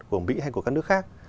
của mỹ hay của các nước khác